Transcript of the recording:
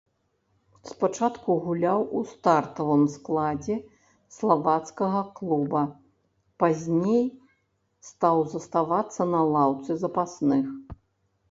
Спачатку гуляў у стартавым складзе славацкага клуба, пазней стаў заставацца на лаўцы запасных.